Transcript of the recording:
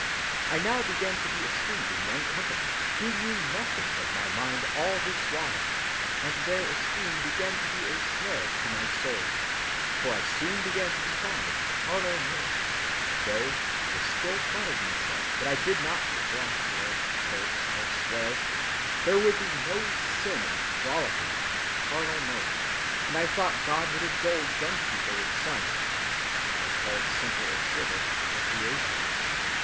I now began to be esteemed in young company, who knew nothing of my mind all this while, and their esteem began to be a snare to my soul, for I soon began to be fond of carnal mirth, though I still flattered myself that if I did not get drunk, nor curse, nor swear, there would be no sin in frolicking and carnal mirth, and I thought God would indulge young people with some (what I called simple or civil) recreation.